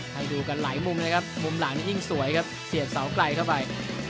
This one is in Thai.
ให้ดูกันหลายมุมเลยครับมุมหลังนี่ยิ่งสวยครับเสียดเสาไกลเข้าไป